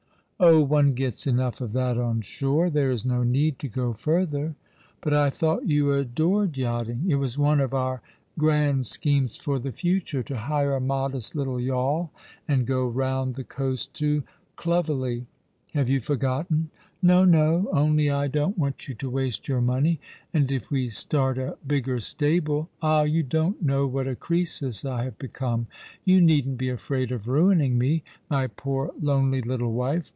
" Oh, one gets enough of that on shore, there is no need to go further." " But I thought you adored yachting ? It was one of our grand schemes for the future, to hire a modest little yawl and go round the coast to Clovelly. Have you forgotten ?"" No, no ; only I don't want you to waste your money — and, if we start a bigger stable " "Ah, you don't know what a Croesus I have become. You needn't be afraid of niining me. My poor lonely little wife.